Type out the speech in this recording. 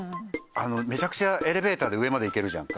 めちゃくちゃエレベーターで上まで行けるじゃんか。